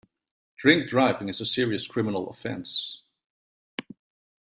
Drink-driving is a serious criminal offence